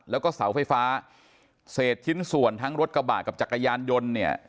แล้วก็เสาไฟฟ้าเศษชิ้นส่วนทั้งรถกระบะกับจักรยานยนต์เนี่ย